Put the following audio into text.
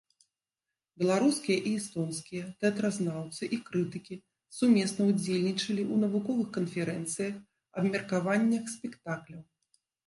Беларускія і эстонскія тэатразнаўцы і крытыкі сумесна удзельнічалі ў навуковых канферэнцыях, абмеркаваннях спектакляў.